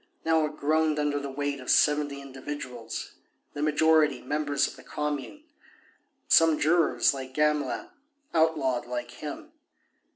Now it groaned under the weight of seventy individuals, the majority members of the Commune, some jurors, like Gamelin, outlawed like him.